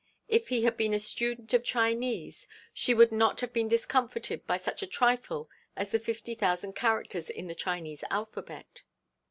If he had been a student of Chinese, she would not have been discomfited by such a trifle as the fifty thousand characters in the Chinese alphabet.